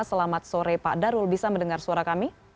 selamat sore pak darul bisa mendengar suara kami